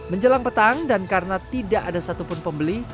menjelang petang dan karena tidak ada satupun pembeli